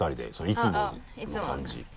いつもの感じ。